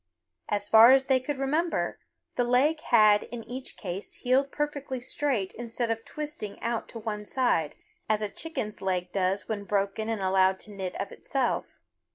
As far as they could remember, the leg had in each case healed perfectly straight instead of twisting out to one side, as a chicken's leg does when broken and allowed to knit of itself.